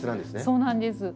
そうなんです。